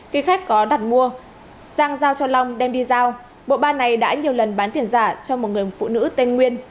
khi khách có đặt mua giang giao cho long đem đi giao bộ ba này đã nhiều lần bán tiền giả cho một người phụ nữ tên nguyên